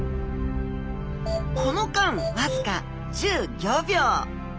この間僅か１５秒。